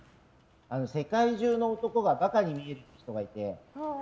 世界中の男がバカに見える人がいて。